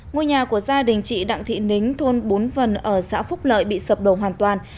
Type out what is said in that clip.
ngôi nhà của gia đình chị đặng thị nính thôn bốn vần ở xã phúc lợi bị sập đổ hoàn toàn